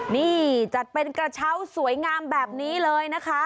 นี่จัดเป็นกระเช้าสวยงามแบบนี้เลยนะคะ